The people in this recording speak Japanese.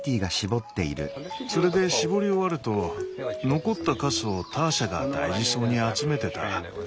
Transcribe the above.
それで搾り終わると残ったかすをターシャが大事そうに集めてた。